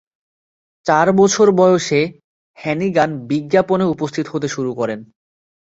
চার বছর বয়সে, হ্যানিগান বিজ্ঞাপনে উপস্থিত হতে শুরু করেন।